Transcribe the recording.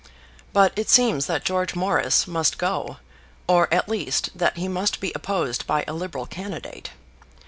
But it seems that George Morris must go; or, at least, that he must be opposed by a Liberal candidate.